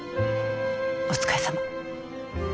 お疲れさま。